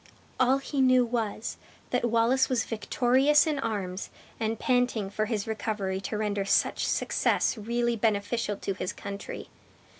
All he knew was, that Wallace was victorious in arms, and panting for his recovery to render such success really beneficial to his country!